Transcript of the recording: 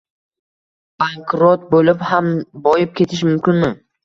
- Bankrot bo'lib ham boyib ketish mumkinmi?